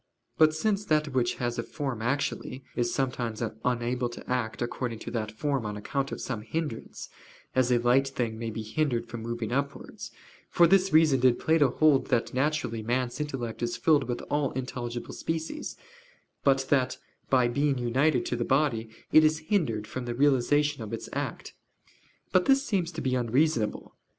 But since that which has a form actually, is sometimes unable to act according to that form on account of some hindrance, as a light thing may be hindered from moving upwards; for this reason did Plato hold that naturally man's intellect is filled with all intelligible species, but that, by being united to the body, it is hindered from the realization of its act. But this seems to be unreasonable.